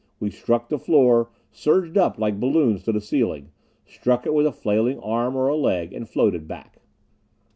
We struck the floor, surged up like balloons to the ceiling, struck it with a flailing arm or a leg and floated back.